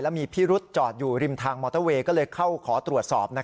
มีพิรุษจอดอยู่ริมทางมอเตอร์เวย์ก็เลยเข้าขอตรวจสอบ